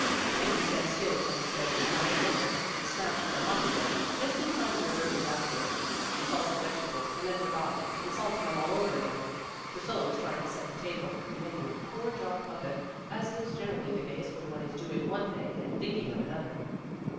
Peggy set skillets on the stove with nothing in them, and snatched them off again, just in time to avert disaster. She salted vegetables and then forgot and salted them all over again. Priscilla was trying to set the table, and making a poor job of it, as is generally the case when one is doing one thing and thinking of another.